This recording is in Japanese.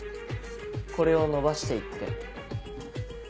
これをのばして行って。